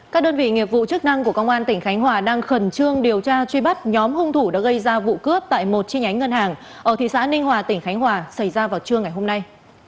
các đơn vị nghiệp vụ chức năng của công an tỉnh khánh hòa đang khẩn trương điều tra truy bắt nhóm hung thủ đã gây ra vụ cướp tại một chi nhánh ngân hàng ở thị xã ninh hòa tỉnh khánh hòa xảy ra vào trưa ngày hôm nay